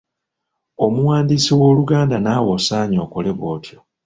Omuwandiisi w’Oluganda naawe osaanye okole bw’otyo.